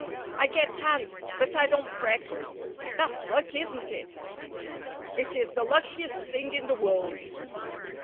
I get tanned, but I don't freckle. That's luck, isn't it?" "It is the luckiest thing in the world.